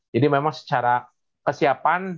jadi memang secara kesiapan